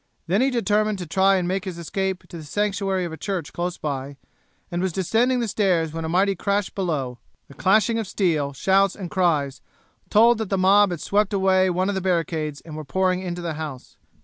Then he determined to try and make his escape to the sanctuary of a church close by, and was descending the stairs when a mighty crash below, the clashing of steel, shouts, and cries, told that the mob had swept away one of the barricades and were pouring into the house.